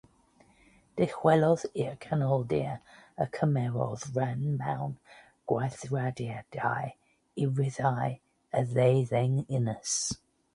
Dychwelodd i'r Canoldir a chymerodd ran mewn gweithrediadau i ryddhau'r Deuddeng Ynys.